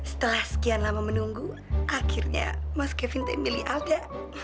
setelah sekian lama menunggu akhirnya mas kevin milih alda